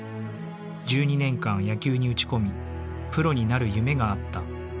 １２年間野球に打ち込みプロになる夢があった。